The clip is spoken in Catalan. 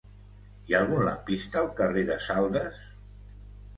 Hi ha algun lampista al carrer de Saldes?